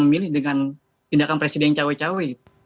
memilih dengan tindakan presiden cawi cawi gitu